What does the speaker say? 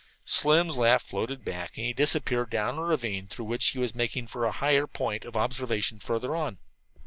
Slim's laugh floated back and he disappeared down a ravine through which he was making for a higher point of observation further on.